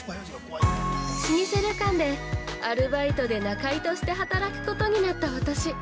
◆老舗旅館でアルバイトで仲居として働くことになった私。